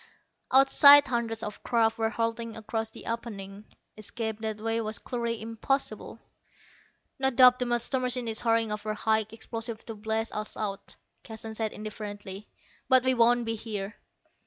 Outside hundreds of craft were hurtling across the opening. Escape that way was clearly impossible. "No doubt the master machine is hurrying over high explosives to blast us out," Keston said indifferently; "but we won't be here."